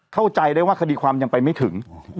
เข้าใจได้ว่าคดีความยังไปไม่ถึง